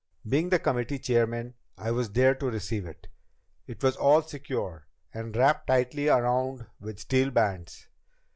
Being the committee chairman, I was there to receive it. It was all secure, and wrapped tightly around with steel bands.